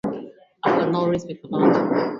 I've got no respect for that.